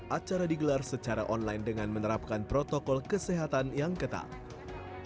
acara digelar secara online dengan menerapkan protokol kesehatan yang ketat